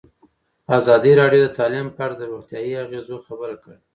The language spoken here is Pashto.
ازادي راډیو د تعلیم په اړه د روغتیایي اغېزو خبره کړې.